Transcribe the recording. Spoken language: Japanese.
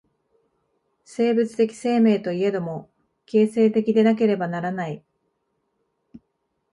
生物的生命といえども、形成的でなければならない。